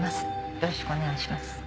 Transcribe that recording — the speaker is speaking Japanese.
よろしくお願いします。